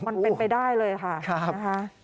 มันเป็นไปได้เลยค่ะนะคะ